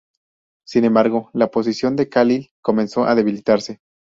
Sin embargo, la posición de Khalil comenzó a debilitarse.